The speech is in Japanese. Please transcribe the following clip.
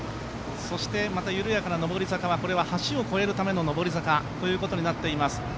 そして、また緩やかな上り坂は橋を越えるための上り坂ということになっています。